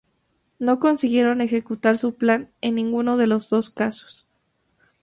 No consiguieron ejecutar su plan en ninguno de los dos casos.